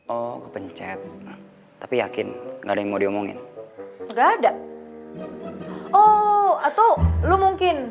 oh kepencet tapi yakin nggak ada yang mau diomongin enggak ada oh atau lo mungkin